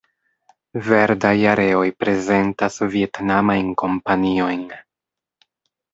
Verdaj areoj prezentas vjetnamajn kompaniojn.